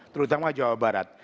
terutama jawa barat